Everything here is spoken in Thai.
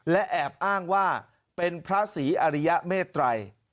และแอบอ้างว่าเป็นพระศรีอริยเมตรัย